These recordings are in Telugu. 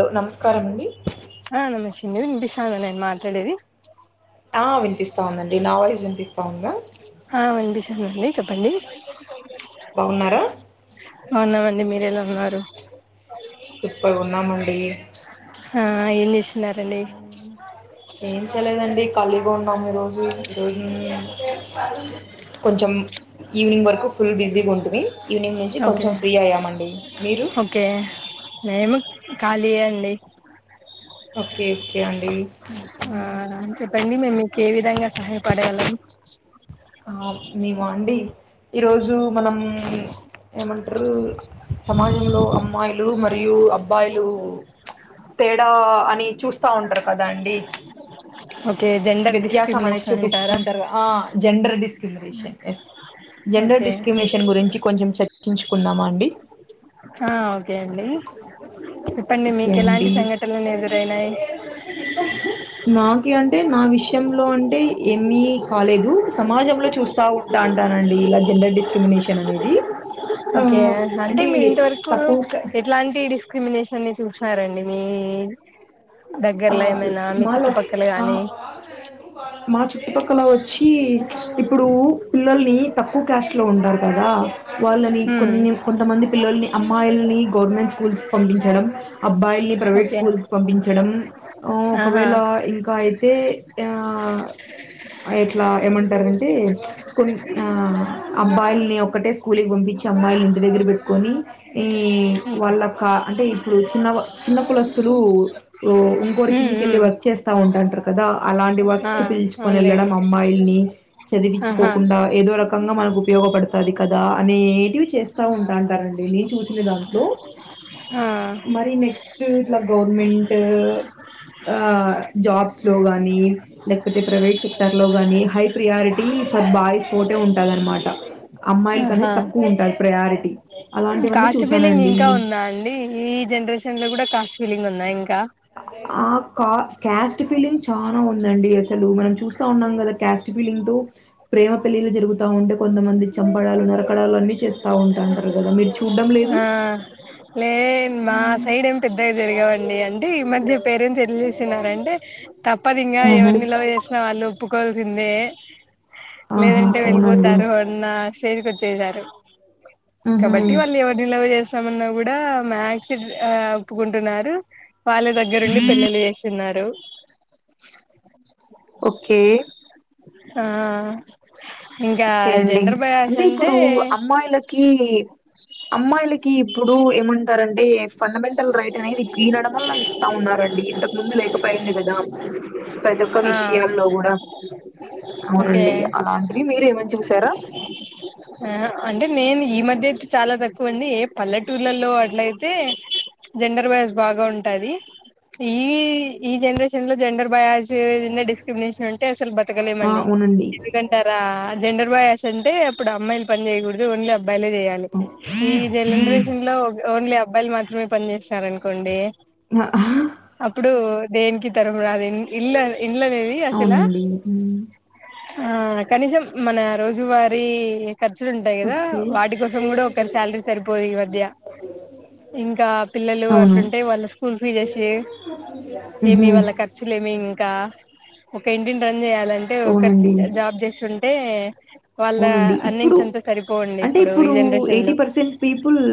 హలో నమస్కారం అండి ఆ నమస్తె ఇనిపిస్తాందా నేను మాట్లాడేది ఆ వినిపిస్తా ఉందండి నా వాయిస్ వినిపిస్తా ఉందా ఆ విన్పిస్తుందండి చెప్పండి బాగున్నారా అవునఅండి మీరు ఎలా ఉన్నారు సూపర్గా ఉన్నామండి ఆ ఏం చె‍సావ్ అవును ఏం చేయలేదండి ఖాలిగా ఉన్నాం ఈ రోజు ఈ రోజు ఏమి కొంచెం ఈవినింగ్ వరకు ఫుల్ బిజీగా ఉంటిమి ఈవినింగ్ నుంచి ఓకే కొంచెం ఫ్రీ అయ్యామండి మీరు ఓకే మేము ఖాళీయే అండి ఓకే ఓకే అండి ఆ అని చెప్పండి మేము మీకు ఏ విధంగా సహాయపడగలం ఆ నీవా అండి ఈరోజు మనం ఏమంటరు సమాజంలో అమ్మాయిలు మరియు అబ్బాయిలు తేడా అని చూస్తా ఉంటారు కదా అండి ఓకే జెండర్ వ్యత్యాసం అనేది డిస్క్రిమినేషన్ చూపిస్త అంటారా ఉంటారు గ ఆ gender discrimination yes gender okay discrimination గురించి కొంచెం చర్చించుకుందామ అండి ఆ ఓకే అండి చెప్పండి ఓకే మీకు ఎలాంటి అండి సంఘటనలు ఎదురైనాయి నాకి అంటే నా విషయంలో అంటే ఏమి కాలేదు సమాజంలో చూస్ స్తా ఉంటా అంటానండి ఇలా జెండర్ డిస్క్రిమినేషన్ అనేది ఆ ఓకే అంటే మీరు ఇంతవరకు తక్కువ క- ఎ ట్లాంటి డిస్క్రిమినేషన్ ని చూసారండి మీ ఆ, దగ్గర్లో ఏమైనా మీ మాలో చుట్టుపక్కల ఆ, గాని మా చుట్టుపక్కల వచ్చి ఇప్పుడు పిల్లల్ని తక్కువ క్యాస్ట్ లో ఉంటారు కదా వాళ్ళని ఉమ్ కొన్ని కొంతమంది పిల్లల్ని అమ్మాయిల్ని గవర్నమెంట్ స్కూల్స్ పంపించడం అబ్బాయిల్ని ప్రైవేట్ ఓకే స్కూల్స్ పంపించడం మ్ ఆహా ఒకవేళ ఇంకా అయితే ఆ ఇట్లా ఏమంటారంటే కొన్ని ఆ అబ్బాయిల్ని ఒక్కటే స్కూల్ కి పంపించి అమ్మాయిల్ని ఇంటి దగ్గర పెట్టుకొని మ్ వాళ్ళ కా అంటే ఇప్పుడు చిన్న చిన్న కులస్థులూ ఇంకొరు ఉమ్ కిందికెళ్ళి ఉమ్ వర్క్ చేస్తా ఉంటాంటారు కదా అలాంటి వర్క్స్ ఆ కి పిలుచుకొని వెళ్ళడం అవునులేండి అమ్మాయిల్ని ఆహా చదివించుకోకుండా ఏదో రకంగా మనకు ఉపయోగపడతది కదా అనేటివి చేస్తా ఉంటాంటారండి నేను చూసిన దాంట్లో ఆ మరీ నెక్స్ట్ ఇట్లా గవర్నమెంట్ ని లేకపోతే ప్రైవేట్ సెక్టర్ లో గాని హై ప్రియారిటీ ఫర్ బాయ్స్ ఒకటే ఉంటాదనమాట అమ్మాయిలకనేది ఆహా తక్కువ ఉంటాది ప్రయారిటీ అలాంటివన్నీ కాస్ట్ ఫీలింగ్ చూసానండి ఇంకా ఉందా అండి ఈ జనరేషన్ లో కూడా కాస్ట్ ఫీలింగ్ ఉందా ఇంకా ఆ క్యాస్ట్ ఫీలింగ్ చాలా ఉందండి అసలు మనం చూస్తా ఉన్నాం కదా క్యాస్ట్ స్ట్ ఫీలింగు తో ప్రేమ పెళ్లిళ్లు జరుగుతా ఉంటే కొంతమంది చంపడాలు నరకడాలు అన్నీ చేస్త ఉంటాంటారు కదా మీరు చూడ్డం లేదు ఆ లే మా సైడ్ ఏం పెద్దగా జరగవండి అంటే ఈ మధ్య పేరేంట్స్ ఎట్ల చేసినార అంటే తప్పదింగ మ్మ్ హ్మ్ ఎవరిని లవ్ చేసినా వాళ్ళు ఒప్పుకోల్సిందే ఆహా లేదంటే అవునండి వెళ్ళిపోతారు అ న్నా స్టేజ్ కి వచ్చేసారు మ్మ్ కాబట్టి హ్మ్ వాళ్ళు ఎవరిని లవ్ చేస్తామన్న కూ డా మాక్స్ ఆ ఒప్పుకుంటున్నారు వాళ్ళె దగ్గరుండి పెళ్లిళ్లు చేసు స్తున్నారు ఓకే ఆ ఇంకా ఓకే అండి జెండర్ బయాస్ అంటే ఇప్పుడు అమ్మాయిల కి అమ్మాయిలకి ఇప్పుడు ఏమం టారండీ ఫండమెంటల్ రైట్ అనేది ఈ నడమల్ల ఇస్తా ఉన్నారండి ఇంతకు ముందు లేకపోయింది కదా ప్రతొక్క ఆ విషయాల్లో కూడా ఔనండి అలాంటి మీరేమన్న చూసారా ఆ అంటే నేను ఈ మధ్యైతే చాలా తక్కువండి ఏ పల్లెటూరు ఊళ్ళలో అట్లైతే జెండర్ వైస్ బాగా ఉంటాది ఈ ఈ జెన్రేష జంగ్లో జెండర్ బయాజ్స్ డిస్క్రిమినేషనుంటే అసలు ఆ బతకలేమండి అవునండి. ఎందుకం టరా జెండర్ బాయాస్ అంటే అప్పుడు అమ్మాయిలు పని చేయకూడదు ఓన్లీ అబ్బాయిలే చేయాలి అవు ఈ హ్మ్. జన్రేషన్ లో ఓన్లీ అబ్బాయిలు మాత్రమే పని చేష్నారనుకోండి అప్పుడు దేనికి తరంరాలే ఇళ్ళు ఇళ్ళనేది అసల అవునండి. హ్మ్. ఆ కనీసం మన రోజువారీ ఖర్చులుంటై కదా ఓకే. వాటి కోసం కూడా ఒకరి సాల్రీ సరిపోదు మధ్య ఇంకా పిల్లలు అవును. అట్లుంటే వాళ్ళ స్కూల్ ఫీజేసే ఇడ్లీ చ్చులేమీ ఇంకా ఒక ఇంటిని రన్ చేయాలంటే ఒక అవునండి. జాబ్ చేస్తుం అంటే వాళ్ళ అవునండి. ఇప్పుడు ఎర్నింగ్స్ అంతా సరిపోవండి ఇప్పుడు ఈ జన్రేషన్ లో పీపుల్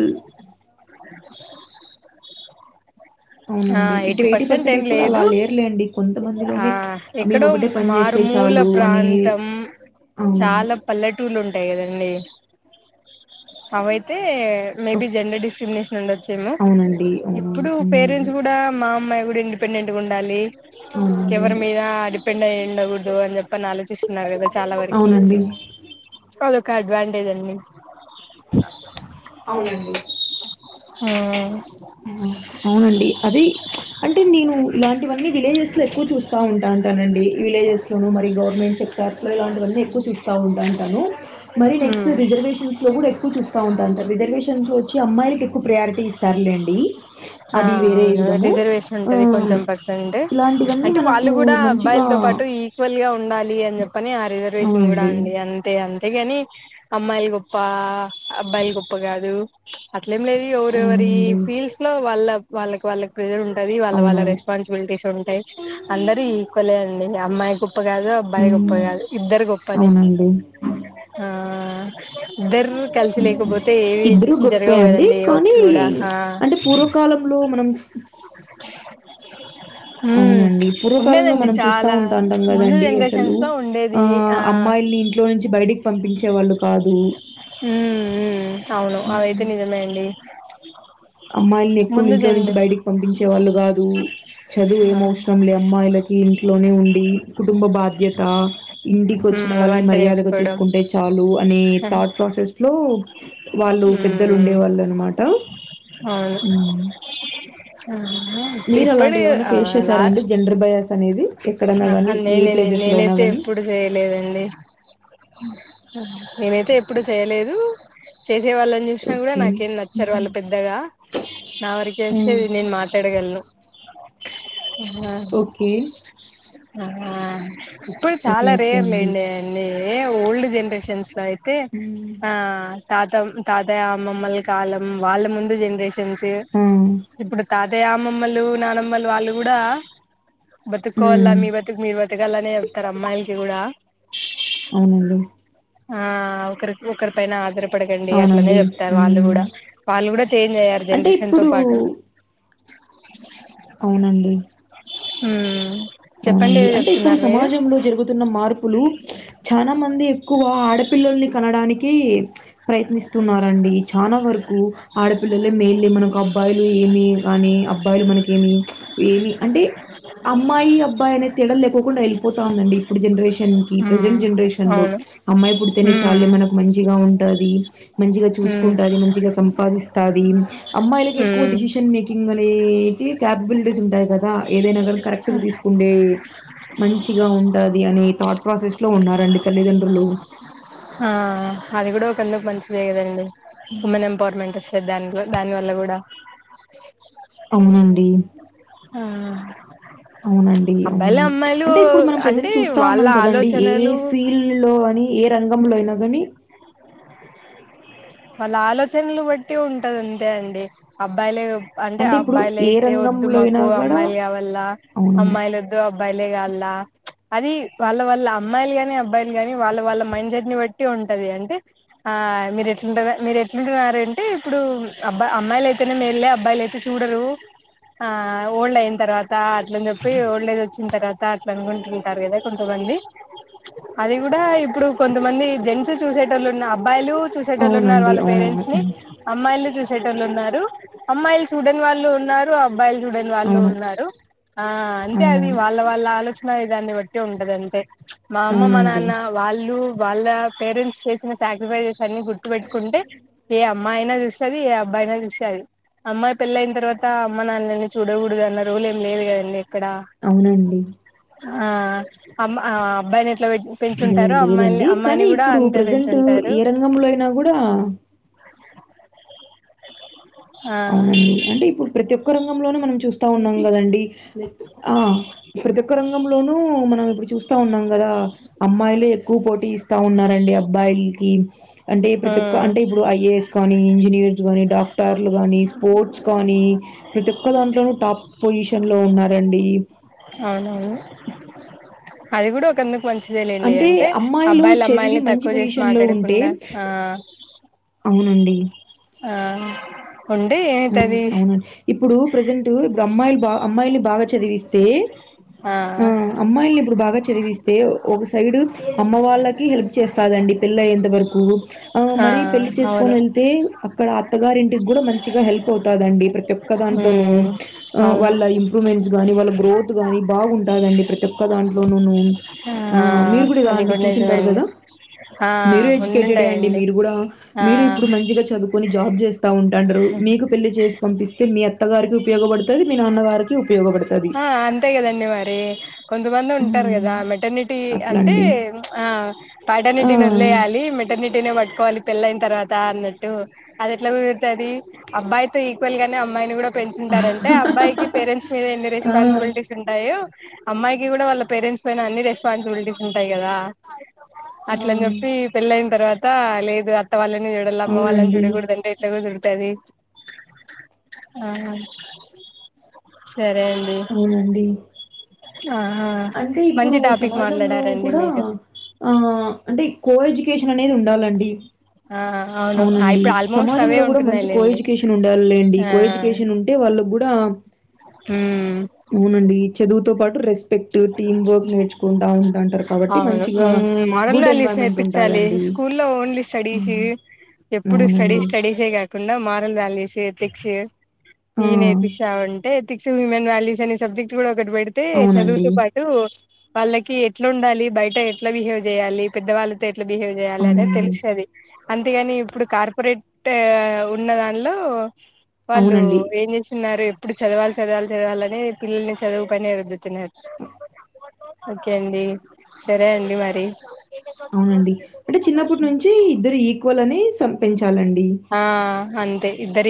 ఆ ఔనండి ఇప్పుడు ఎయిటీ పర్సెంట్ ఏం పీపుల్ అలా లేదు లేర్లేండి ఆ కొంతమందిలోనే ఎక్కడో మేమొకటే పని చేస్తే మారుమూల చాలు అని ఔను పల్లెటూర్లుంటై కదండి అవైతే మేబీ జెండర్ డిస్క్రిమినేషన్ ఉండొచ్చేమో ఔనండి అవునవును ఇప్పుడు హ్మ్. పేరెంట్స్ కూడా మా అమ్మాయి కూడా ఇండిపెండెంట్గా ఉండాలి ఎవరి అవునండి. మీద డిపెండ్ అయ్యుండకూడదు అని చెప్పని ఆలోచిస్తున్నారు కదా చాలా వరకి అవునండి. అదొక అడ్వాంటేజ్ అండి ఔనండి ఉ ఔనండి అది అంటే నేను ఇలాంటివన్నీ విలేజెస్లో ఎక్కువ చూస్తా ఉంటా ఉంటానండి విలేజెస్ లోనూ మరి గవర్నమెంట్ టర్స్ లో ఇలాంటివన్నీ ఎక్కువ చూస్తా ఉంటా ఉంటాను మరి నెక్స్ట్ ఉమ్ రిజర్వేషన్స్ ట్లో కూడా ఎక్కువ చూస్తా ఉంటాంటారు రిజర్వేషన్స్ లో ఒచ్చి అమ్మాయిలకి ఎక్కువ ప్రియారిటీ ఇస్తారులేండి ఆ ఔను రిజర్వేషన్ ఉంటది కొంచెం పర్సెంట్ ఇలాంటివన్నీ అంటే మనకు వాళ్ళు కూడా మంచిగా అబ్బాయిల్తో పాటు ఈ క్వల్ గా ఉండాలి అని చెప్పని ఆ రిజర్వేషన్ కూడా అవునండి. అండి అం తే అంతేగాని అమ్మాయిలు గొప్ప అబ్బాయిలు గొప్ప కాదు అట్లేం లేదు ఎవరొవరి అవునండి. ఫీల్డ్స్ లో వాళ్ళ వాళ్ళకి వాళ్ళకి ప్రెజరుంటది వాళ్ళ వాళ్ళ అవునవును. రెస్పాన్సిబిలిటీస్ ఉంటై అందరూ ఈక్వలే అండి అమ్మాయి గొప్ప కాదు అబ్బాయి గొప్ప హ్మ్. కాదు ఇద్దరు గొప్పనే అవునండి. ఆ ఇద్దర్ కల్సి లేకపోతే ఏవి ఇద్దరు గొప్పే జరగవు అండి కదండి ఏ కానీ వక్స్ కూడా ఆ అంటే పూర్వకాలంలో మనం ఉమ్ ఔనండి పూర్వకాలంలో ఉండేదండి మనం చూస్తా చాలా ఉంటాంటం ముందు గదండి అస్సలూ జనరేషన్స్ లో ఆ ఉండేది అమ్మాయిల్ని ఇం ట్లోంచి బైటికి పంపించే వాళ్ళు కాదు ఉ ఉ ఔను ఉమ్. అవైతే నిజమే అండి అమ్మాయిల్ని ఎక్కువ ముందు ఇంట్లో నుంచి జనరేషన్ బయటికి పంపించే వాళ్ళు కాదు చదువు ఏం ఆ అవసరం లే అమ్మాయిలకి ఇంట్లోనే ఉండి కుటుంబ బాధ్యత ఇంటికి వచ్చిన ఉమ్ వాళ్ళని వంట మర్యాదగా నేర్చుకోవడం చూసుకుంటే చాలు అనే థాట్ ప్రాసెస్ లో వాళ్ళు పెద్దలు ఉండే ఉమ్ వాళ్ళు అనమాట అవును ఉమ్ మీరు ఇప్పుడు అలాంటివి ఏమైనా ఆ ఫేస్ చేశారండి జెండర్ బయస్ అనేది ఎక్కడనా కాగానీ ఏ నేనే ప్లేసెస్ లోన నేనైతే ని ఎప్పుడు చేయలేదండి నేనైతే ఎప్పుడు చేయలేదు చేసే వాళ్ళ న చూసిన కూడా ఓకే. నాకేం నచ్చారు హుహు. వాళ్ళ పెద్దగా నా వరక ఆ! వస్తే నేను మాట్లాడగలను హ ఓకే. హా హా ఇప్పుడు ఓకే. చాలా ఓకే అండి. రేర్లేండి అన్నీ ఓల్డ్ జనరేషన్స్ లో అయితే హ్మ్. ఆ తాత తాతయ్య అమ్మమ్మల కాలం వాళ్ళ ముందు జనరేషన్స్ ఆ! ఇప్పుడు తాత అదే అమ్మమ్మలు నానమ్మలు వాళ్ళు కూడా వెకోవాల హ్మ్. మీ బతుకు మీరు బతకాలనే చెప్తారు అమ్మాయిలకి కూడా అవునండి ఆ ఒకరి ఒకరి పైన అదరపడకండి అట్లనే అవునండి. చెప్తారు వాళ్ళు హ్మ్. కూడా వాళ్ళు కూడా చేంజ్ అయ్యారు అంటే జనరేషన్ తో ఇప్పుడు పాటు అవునండి హమ్ అవునండి అంటే ఇప్పుడు సమాజంలో జరుగు న్న మార్పులు చాలా మంది ఎక్కువ ఆడపిల్లల్ని కనడానికి ప్రయత్నిస్తున్నారండి చాలా వరకు ఆడపిల్లలే మెయిన్లీ మనకు అబ్బాయిలు ఏమి కానీ అబ్బాయిలు మనకేమి ఏమి అంటే ్ అమ్మాయి అబ్బాయి అనే తడలు లేకుండా వెళ్ళిపోతా ఉందండి ఇప్పుడు జనరేషన్ కి ఉమ్ ప్రెజెంట్ జనరేషన్ లో అవును అమ్మాయి పుడితేనే ఉమ్ చాలులే మనకు మంచిగా ఉంటుది మంచిగా ఉమ్ చూసుకుంటాది మంచిగా సంపాదిస్తది అమ్మాయిలకి ఎక్కువ ఉమ్ డిసిషన్ మేకింగ్ గ్ అనేటి క్యాపబిలిటీస్ ఉంటాయి కదా ఏదైనా కానీ కరెక్ట్ తీసుకుండే మంచిగా ఉంటది అనే థాట్ ప్రాసెస్ లో ఉన్నారండి తల్లిదండ్రులు ఆ అది కూడా ఒక ఎందుకు మంచిదే కదండి ఉమెన్ ఎంపవర్మెంట్ వస్తే దాంట్లో దాని వల్ల కూడా అ అవునండి హ్ అవునండి అవునవును అంటే ఇప్పుడు మనం అంటే ప్రెజెంట్ చూస్తా వాళ్ళ ఉన్నాం కదండి ఏ ఆలోచనలు ఫీల్డ్ లో అని ఏ రంగంలో అయినా కాని వాళ్ళ ఆలోచనలు బట్టి ఉంటది అంతే అండి అబ్బాయిలే అంటే ఆ ఇప్పుడు అబ్బాయిలు ఏ అయితే వద్దు రంగంలో అయినా మాకు కూడా అమ్మాయిలు కావల్ల అవునవును అమ్మాయిలు వద్దు అ అబ్బాయిలేగ అల్లా అది వాళ్ళ వాళ్ళ అమ్మాయిలు గాని అబ్బాయిలు గాని వాళ్ళ వాళ్ళ మైండ్ సెట్ ని బట్టి ఉంటది అంటే ఆ మీరు ఎట్లుంటార ఎట్లుంటున్నారు అంటే ఇప్పుడు అబ్బా అమ్మాయిలు అయితేనే మేల్లే అబ్బాయిలు అయి చూడరు ఆ ఓల్డ్ అయి తర్వాత అట్లా అని చెప్పి ఓల్టేజ్ వచ్చిన తర్వాత అట్లా అనుకుంటుంటారు కదా కొంతమంది అది కూడా ఇప్పుడు కొంతమంది జెంట్స్ చూసేటోళ్ళు ఉన్న అప్ బ్బాయిలు చూసేటళ్లు ఉన్నారు అవునండి వాళ్ళ పేరెంట్స్ ని అవునవును అమ్మాయిలు చూసేటోళ్లు ఉన్నారు అమ్మాయిలు చూడని వాళ్ళు ఉన్నారు అబ్బాయిలు చూడని వాళ్ళు అవును. ఉన్నారు అంతే అది అవునవును. వా వాళ్ళ ఆలోచన విదాన్ని బట్టి ఉంటది అంతే మా అమ్మ మా అవునండి. నాన్న వాళ్ళు వాళ్ళ పేరెంట్స్ చేసిన శాక్రిఫైజెస్ అన్ని గుర్తు పెట్టుకుంటే ఏ అమ్మాయినా చూస్తది ఏ అబ్బాయినా చూస్తది అమ్మాయి పెళ్లైన తర్వాత అమ్మ నాన్నని చూడకూడదు అన్న రూల్ ఏం లేదు కదండి ఎక్కడ అవును అండి ఆ అమ్మా ఆ అబ్బాయి ఇట్లా లేదు పెంచుంటారు అమ్మాయిల్ని లేదండి. అమ్మాయిని కూడా అంతే పెంచుంటారు సంగంలో అయినా కూడా ఆ అవును అండి అంటే ఇప్పుడు ప్రతి ఒక్క రంగంలోను మనం చూస్తా ఉన్నాం కదండి ఆ ప్రతోక్క రంగంలోనూ మనం ఎప్పుడు చూస్త చూస్తా ఉన్నాం కదా అమ్మాయిలు ఎక్కువ పోటీ ఇస్తా ఉన్నారండి అబ్బాయిల్కి అంటే ప్రతోక్క ఉమ్ అంటే ఇప్పుడు ఐఏఎస్ కానీ ఇంజనీయర్స్ కాగానీ డాక్టర్ కానీ స్పోర్ట్స్ కానీ ప్రతి ఒక్క దాంట్లోనూ టాప్ పొజిషన్లో ఉన్నారండి అవునవును అది గుడా ఒకందు మంచిదే లెండి అంటే అమ్మాయిలు అబ్బాయిలు చదివి అమ్మాయిల్ని మంచి తక్కువ చేసి పొజిషన్‌లో ఉంటే మాట్లాడకుండా ఆ అవునండి ఆహ్ ఉండి ఉహ్ అవునండి ఇప్పుడు ప్రజెంటు ఇప్పుడు అమ్మాయిలు బా అమ్మాయిల్ని బాగా చదివిస్తే ఆ అమ్మాయిల్ని ఇప్పుడు బాగా చదివిస్ దే ఒక సైడు అమ్మ వాళ్ళకి హెల్ప్ చేస్తాదండి పిళ్ళై అంత వరకు ఓహ్ ఆ మరీ పెళ్లి అవును చేస్కొని ఏళ్తే అక్కడ అత్తగారింటికి కూడా మంచిగా హెల్ప్ అవుతాదండి ప్రతోక్క దాంట్లోనూ ఉమ్ ఆ అవును వాళ్ళ ఇంప్రూమెంట్స్ కానీ వాళ్ళ గ్రోత్ కానీ బాగుంటాదండి ప్రతోక్క దాంట్లోను ను ఆ మీరు కూడా అది ఇలాంటివి నిజమే చూసింటారు అండి కదా ఆ మీరు ఎడ్యుకేటెడే అండి ఉండుంటాయండి మీరు కూడా ఆ మీరు ఇప్పుడు మంచిగా చదువు కొన్ని జాబ్ చేస్తా ఉంటండారు మీకు పెళ్లి చేసి పంపిస్తే మీ అత్తగారికి ఉపయోగపడ్తది మీ నాన్నగారికి కీ ఉపయోగపడుతది ఆ అంతే గదండి మరి కొంతమంది ఉంటారు హ్మ్ కదా మెటర్నిటీ అంటే అట్లండి ఆ ఆ పాటర్నిటీని ఒదిలేయాలి మే మోటర్నిటినే పట్టుకోవాలి పెళ్ళైన తర్వాత అన్నట్టు అదేట్లా కుదురతది అబ్బాయితో ఈక్వల్ గానే అమ్మాయిని కూడా ఆ పెంచుంటారంటే అబ్బాయికి పేరెంట్స్ మీద ఎన్ని రెస్పాన్సిబిల్టీ ఆ స్ ఉంటాయే అమ్మాయికి కూడా వాళ్ళ పేరెంట్స్ పైన అన్ని రెస్పాన్సిబిల్టీస్ ఉంటాయ్ కదా అట్లా అని చెప్పి పెళ్ళైన తర్వాత లేదు అ అత్త వాళ్ళని వేడోళ్ళ అమ్మ వాళ్ళని అవునండి చూడకూదంటే ఎట్లా కుదుర్తది అవునండి ఆహా అంటే ఇప్పుడు మంచి టాపిక్ సమాజంలో మాట్లాడారండి కూడా మీరు ఆ అంటె ఇ కో ఎడ్యుకేషన్ అనేది ఉండాలండి ఆ అవును అవునండి ఇప్పుడు ఆల్మోస్ట్ అవే సమాజంలో కూడ మంచి కో ఉంటున్నాయిలేండి ఎడ్యుకేషన్ ఉండాళ్ళేండి ఆ కో ఎడ్యుకేషన్ ఉన్ టే వాళ్ళగ్గుడా హ్మ్ అవునండి చదువుతో పాటు రెస్పెక్ట్ టు టీమ్ వర్క్ నేర్చుకుంటా ఉంటాంటరు కాబట్టి అవును మంచిగా um model good values environment నేర్పించాలి ఉంటాదండి స్కూల్లో ఓన్లీ స్టడీసు హ్మ్. ఎప్పుడు స్టడీ అవునండి. స్టడీస్ జే కాకుండా మారల్ వాల్యూస్, ఎతిక్స్ ఆ! ఇవి నేర్పిస్తా ఉంటే ఎథిక్స్ హ్యూమన్ వాల్యూస్ అనే సబ్జెక్ట్ గూడా ఒకటి పెడ్తే అవునండి. చదువుతో తో వాళ్ళకి ఎట్లుండాలి బయట ఎట్ల బిహేవ్ జేయాలి పెద్దవాళ్ళత్ తొ ఎట్ల బిహేవ్ జేయాలనేది అవునండి. తెలుస్తది అంతేగాని ఇప్పుడు కార్పొరేట్ ఉన్న దాన్లో వాళ్ళు అవునండి. ఏం జేస్తున్నారు ఎప్పుడు చదవాలి చదవాలి చదవాలనే పిల్లల్ని చదువు పైనే రుద్దుతున్నారు ఓకే అండి సరే అండి మరి అవునండి అంటే చిన్నప్పటి నుంచి ఇద్దరు ఈక్వల్ అనీ సమ్ పెంచాలండి ఆ అంతే ఇద్దరిక్